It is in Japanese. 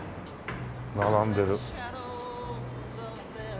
並んでる。